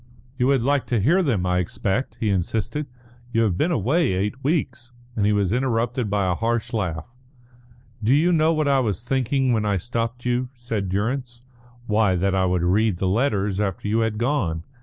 "You would like to hear them, I expect," he insisted. "You have been away eight weeks." And he was interrupted by a harsh laugh. "Do you know what I was thinking when I stopped you?" said Durrance. "Why, that I would read the letters after you had gone.